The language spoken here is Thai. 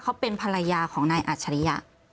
เขาเป็นภรรยาของนายอัจฉริยะ